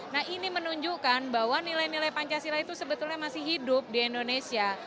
nah ini menunjukkan bahwa nilai nilai pancasila itu sebetulnya masih hidup di indonesia